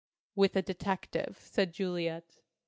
"With a detective," said Juliet.